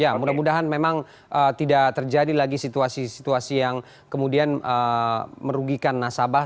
ya mudah mudahan memang tidak terjadi lagi situasi situasi yang kemudian merugikan nasabah